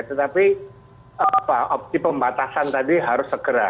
tetapi opsi pembatasan tadi harus segera